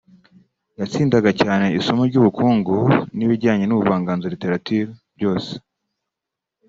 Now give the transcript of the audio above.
yatsindaga cyane isomo ry’ubukungu n’ibijyanye n’ubuvanganzo (literature) byose